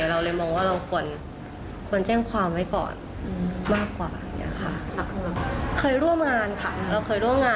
เราเลยมองว่าเราควรแจ้งความไว้ก่อนมากกว่าอย่างนี้ค่ะ